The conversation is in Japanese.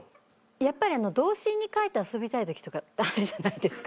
やっぱりあの童心に帰って遊びたい時とかあるじゃないですか。